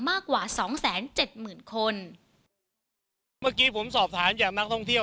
มากกว่าสองแสนเจ็ดหมื่นคนเมื่อกี้ผมสอบถามจากนักท่องเที่ยว